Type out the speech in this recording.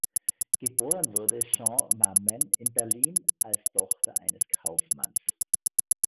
Geboren wurde Jeanne Mammen in Berlin als Tochter eines Kaufmanns.